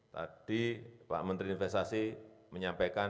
tadi pak menteri investasi menyampaikan